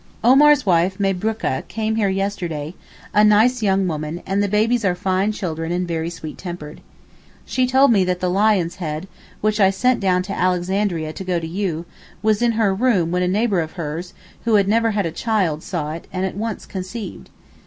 Omar's wife Mabrookah came here yesterday, a nice young woman, and the babies are fine children and very sweet tempered. She told me that the lion's head, which I sent down to Alexandria to go to you, was in her room when a neighbour of hers, who had never had a child, saw it, and at once conceived.